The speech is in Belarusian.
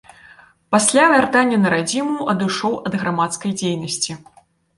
Пасля вяртання на радзіму адышоў ад грамадскай дзейнасці.